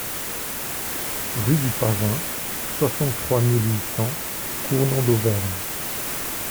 Rue du Pavin, soixante-trois mille huit cents Cournon-d'Auvergne